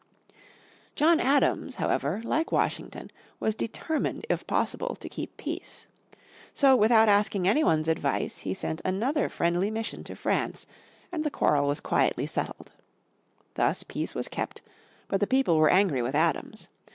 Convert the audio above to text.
John Adams, however, like Washington, was determined if possible to keep peace. So without asking any one's advice he sent another friendly mission to France, and the quarrel was quietly settled. Thus peace was kept, but the people were angry with Adams.